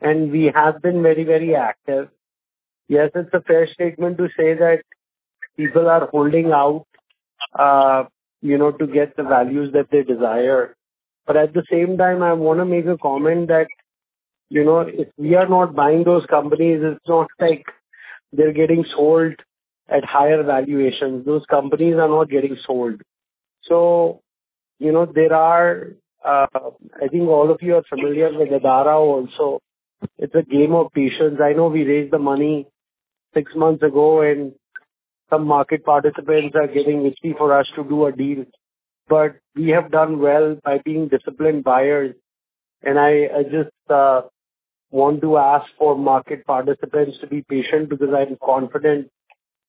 and we have been very, very active. Yes, it's a fair statement to say that people are holding out, you know, to get the values that they desire. But at the same time, I want to make a comment that. You know, if we are not buying those companies, it's not like they're getting sold at higher valuations. Those companies are not getting sold. So, you know, there are, I think all of you are familiar with Adara also. It's a game of patience. I know we raised the money six months ago, and some market participants are getting antsy for us to do a deal. But we have done well by being disciplined buyers, and I just want to ask for market participants to be patient, because I'm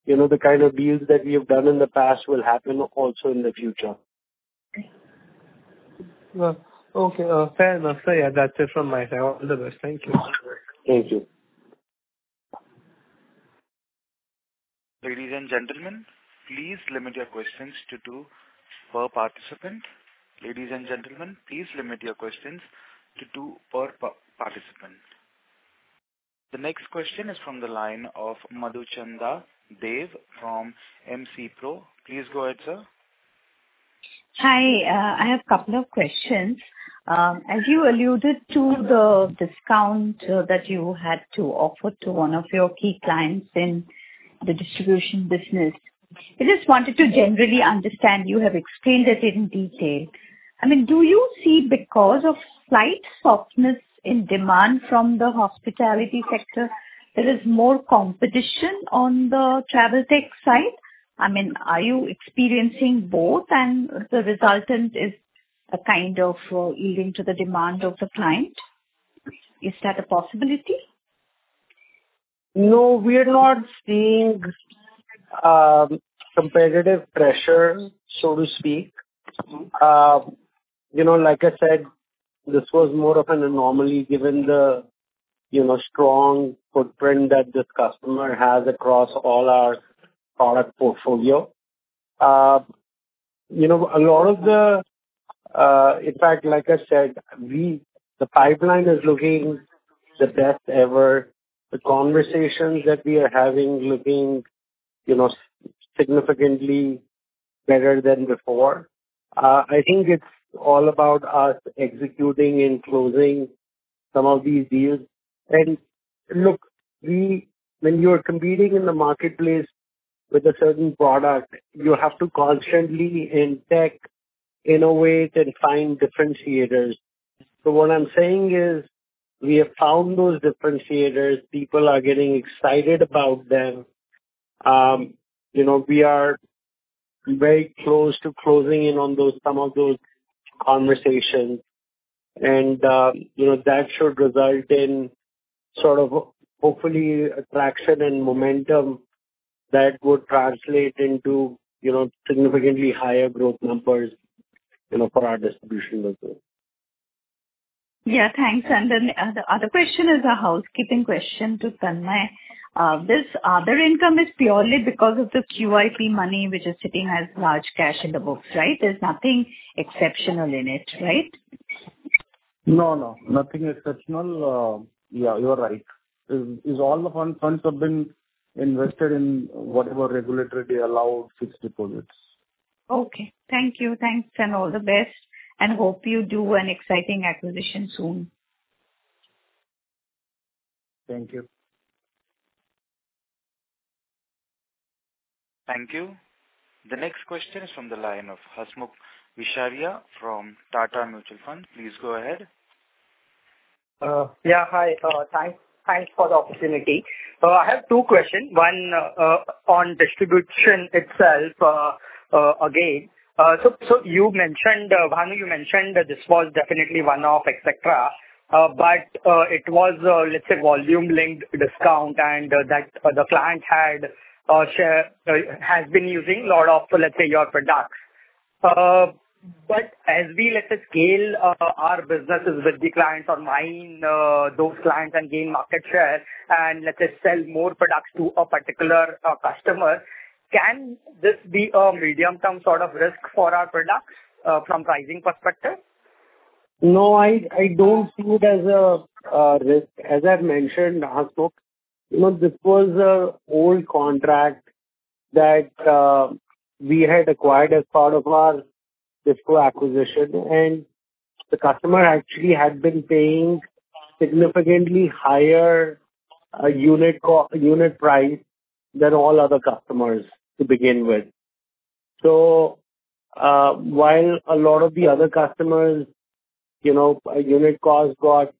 confident, you know, the kind of deals that we have done in the past will happen also in the future. Okay. Fair enough, sir. Yeah, that's it from my side. All the best. Thank you. Thank you. Ladies and gentlemen, please limit your questions to two per participant. Ladies and gentlemen, please limit your questions to two per participant. The next question is from the line of Madhuchanda Dey from Moneycontrol Pro. Please go ahead, sir. Hi. I have a couple of questions. As you alluded to the discount that you had to offer to one of your key clients in the distribution business, I just wanted to generally understand, you have explained it in detail. I mean, do you see, because of slight softness in demand from the hospitality sector, there is more competition on the travel tech side? I mean, are you experiencing both and the resultant is a kind of yielding to the demand of the client? Is that a possibility? No, we are not seeing, competitive pressure, so to speak. Mm-hmm. You know, like I said, this was more of an anomaly, given the, you know, strong footprint that this customer has across all our product portfolio. In fact, like I said, the pipeline is looking the best ever. The conversations that we are having looking, you know, significantly better than before. I think it's all about us executing and closing some of these deals. And look, when you are competing in the marketplace with a certain product, you have to constantly innovate, and find differentiators. So what I'm saying is, we have found those differentiators. People are getting excited about them. You know, we are very close to closing in on those, some of those conversations. You know, that should result in sort of, hopefully, traction and momentum that would translate into, you know, significantly higher growth numbers, you know, for our distribution as well. Yeah, thanks. And then, the other question is a housekeeping question to Tanmay. This other income is purely because of the QIP money which is sitting as large cash in the books, right? There's nothing exceptional in it, right? No, no, nothing exceptional. Yeah, you are right. All the funds have been invested in whatever regulatory allowed fixed deposits. Okay. Thank you. Thanks, and all the best, and hope you do an exciting acquisition soon. Thank you. Thank you. The next question is from the line of Hasmukh Visaria from Tata Mutual Fund. Please go ahead. Yeah, hi. Thanks for the opportunity. I have two questions. One, on distribution itself, again. So, you mentioned, Bhanu, you mentioned that this was definitely one-off, et cetera, but it was, let's say, volume-linked discount and that the client had share... has been using a lot of, let's say, your products. But as we let it scale, our businesses with the clients or mine, those clients and gain market share, and let us sell more products to a particular, customer, can this be a medium-term sort of risk for our products, from pricing perspective? No, I don't see it as a risk. As I've mentioned, Hasmukh, you know, this was an old contract that we had acquired as part of our DHISCO acquisition, and the customer actually had been paying significantly higher unit price than all other customers to begin with. So while a lot of the other customers, you know, our unit costs got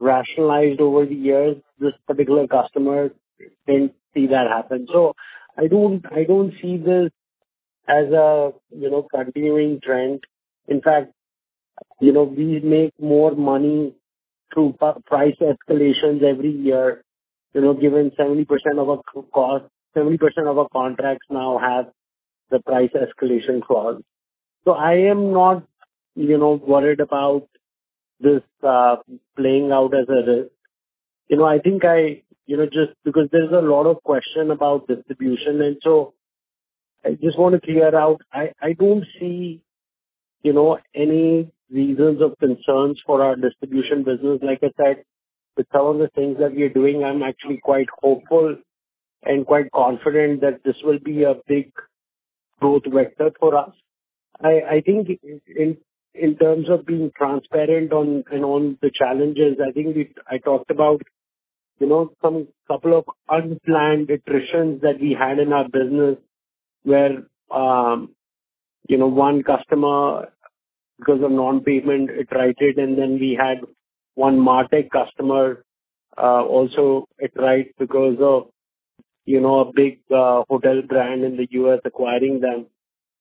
rationalized over the years, this particular customer didn't see that happen. So I don't see this as a continuing trend. In fact, you know, we make more money through price escalations every year, you know, given 70% of our cost, 70% of our contracts now have the price escalation clause. So I am not, you know, worried about this playing out as a risk. You know, I think I... You know, just because there's a lot of question about distribution, and so I just want to clear out, I don't see, you know, any reasons of concerns for our distribution business. Like I said, with some of the things that we are doing, I'm actually quite hopeful and quite confident that this will be a big growth vector for us. I think in terms of being transparent on, and on the challenges, I think we, I talked about, you know, some couple of unplanned attritions that we had in our business, where, you know, one customer, because of non-payment, attrited. And then we had one MarTech customer, also attrited because of, you know, a big hotel brand in the US acquiring them.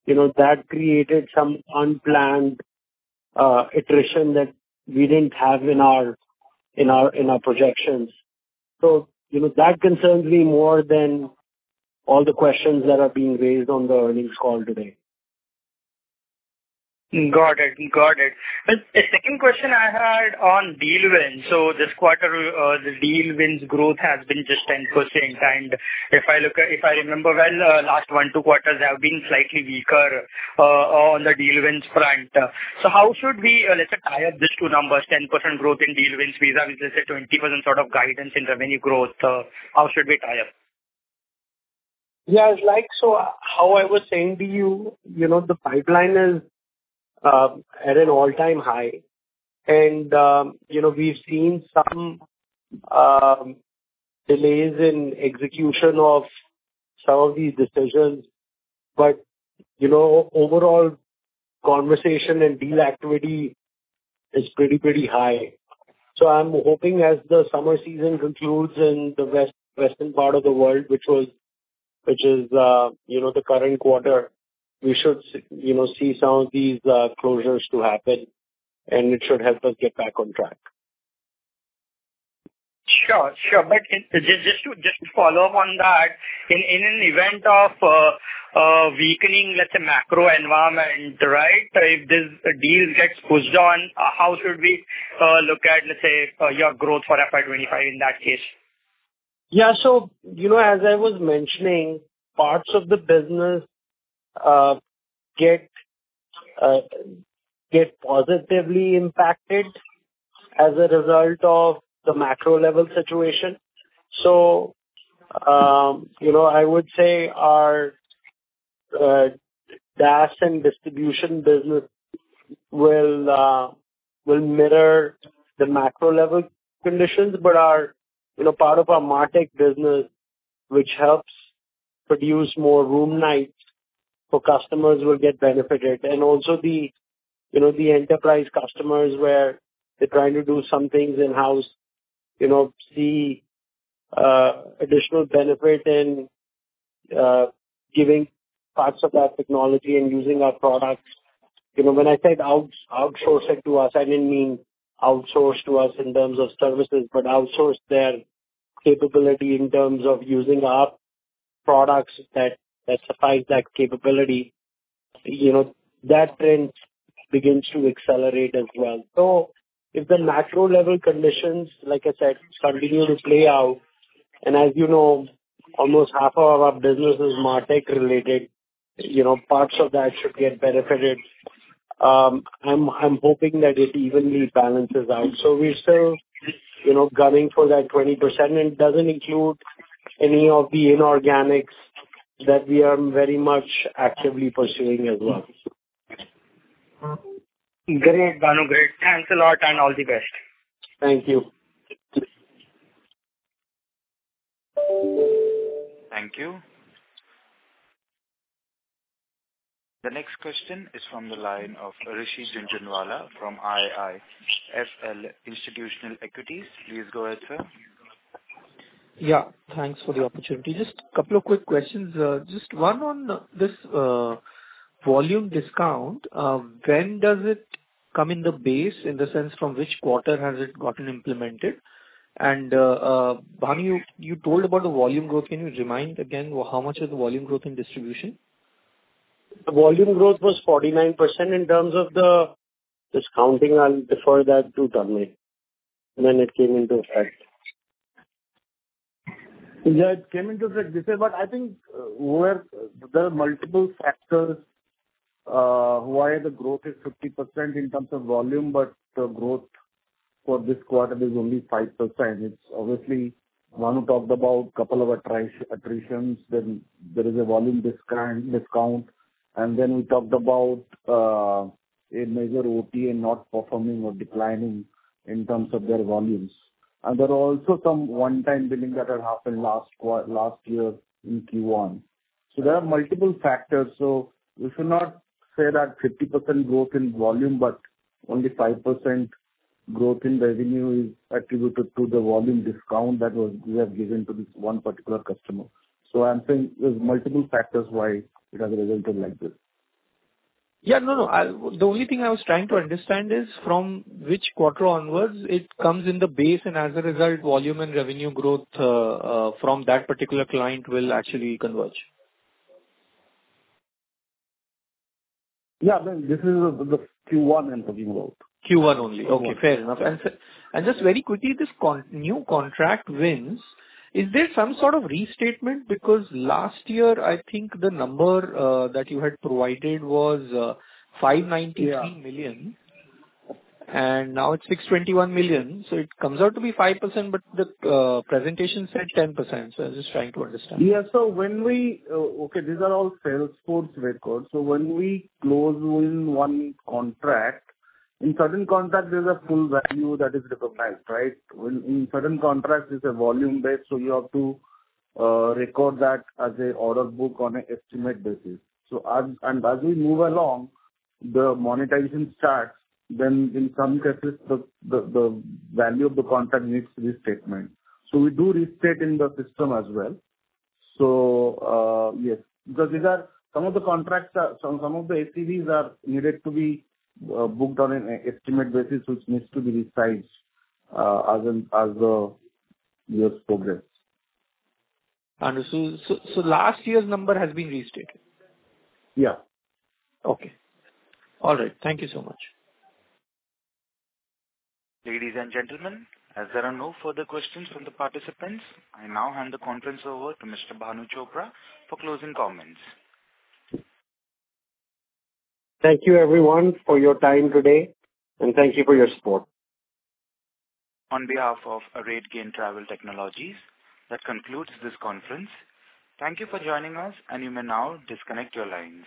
You know, that created some unplanned attrition that we didn't have in our projections. You know, that concerns me more than all the questions that are being raised on the earnings call today. Got it. Got it. Well, the second question I had on deal wins. So this quarter, the deal wins growth has been just 10%. And if I remember well, last one, two quarters have been slightly weaker on the deal wins front. So how should we, let's say, tie up these two numbers, 10% growth in deal wins vis-a-vis, the say, 20% sort of guidance and revenue growth? How should we tie up? Yeah, it's like... So how I was saying to you, you know, the pipeline is at an all-time high. And, you know, we've seen some delays in execution of some of these decisions. But, you know, overall conversation and deal activity is pretty, pretty high. So I'm hoping as the summer season concludes in the western part of the world, which was, which is, you know, the current quarter, we should you know, see some of these closures to happen, and it should help us get back on track. Sure. Sure. But just to follow up on that, in an event of weakening, let's say, macro environment, right? If this deal gets pushed on, how should we look at, let's say, your growth for FY 2025 in that case? Yeah. So, you know, as I was mentioning, parts of the business get positively impacted as a result of the macro level situation. So, you know, I would say our DaaS and distribution business will mirror the macro level conditions. But our, you know, part of our MarTech business, which helps produce more room nights for customers, will get benefited. And also the, you know, the enterprise customers, where they're trying to do some things in-house, you know, see additional benefit in giving parts of our technology and using our products. You know, when I said outsourcing to us, I didn't mean outsource to us in terms of services, but outsource their capability in terms of using our products that suffice that capability. You know, that trend begins to accelerate as well. So if the macro level conditions, like I said, continue to play out, and as you know, almost half of our business is MarTech related, you know, parts of that should get benefited. I'm hoping that it evenly balances out. So we're still, you know, gunning for that 20%, and it doesn't include any of the inorganics that we are very much actively pursuing as well. Great, Bhanu. Great. Thanks a lot, and all the best. Thank you. Thank you. The next question is from the line of Rishi Jhunjhunwala from IIFL Securities. Please go ahead, sir. Yeah, thanks for the opportunity. Just a couple of quick questions. Just one on this, volume discount. When does it come in the base, in the sense from which quarter has it gotten implemented? And, Bhanu, you, you told about the volume growth. Can you remind again, how much is the volume growth in distribution? The volume growth was 49%. In terms of the discounting, I'll defer that to Tanmay, when it came into effect. Yeah, it came into effect, but I think where there are multiple factors why the growth is 50% in terms of volume, but the growth for this quarter is only 5%. It's obviously, Bhanu talked about couple of attritions. Then there is a volume discount, and then we talked about a major OTA not performing or declining in terms of their volumes. And there are also some one-time billing that had happened last year in Q1. So there are multiple factors. So we should not say that 50% growth in volume, but only 5% growth in revenue is attributed to the volume discount that we have given to this one particular customer. So I'm saying there's multiple factors why it has resulted like this. Yeah. No, no, I... The only thing I was trying to understand is, from which quarter onwards it comes in the base, and as a result, volume and revenue growth from that particular client will actually converge? Yeah. Then this is the Q1 I'm talking about. Q1 only. Q1. Okay, fair enough. And just very quickly, this new contract wins, is there some sort of restatement? Because last year, I think the number that you had provided was 593 million- Yeah. and now it's 621 million, so it comes out to be 5%, but the presentation said 10%. So I was just trying to understand. Yeah. So when we okay, these are all salesforce records. So when we close win one contract, in certain contracts, there's a full value that is recognized, right? In certain contracts, it's a volume-based, so you have to record that as a order book on an estimate basis. So as and as we move along, the monetization starts, then in some cases, the value of the contract needs restatement. So we do restate in the system as well. So yes, because some of the contracts are. Some of the ACVs are needed to be booked on an estimate basis, which needs to be resized as the years progress. Understood. So, last year's number has been restated? Yeah. Okay. All right. Thank you so much. Ladies and gentlemen, as there are no further questions from the participants, I now hand the conference over to Mr. Bhanu Chopra for closing comments. Thank you, everyone, for your time today, and thank you for your support. On behalf of RateGain Travel Technologies, that concludes this conference. Thank you for joining us, and you may now disconnect your lines.